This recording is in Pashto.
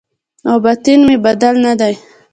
او باطن مې بدل نه دی